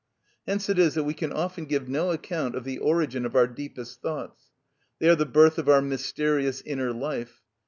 Hence it is that we can often give no account of the origin of our deepest thoughts. They are the birth of our mysterious inner life.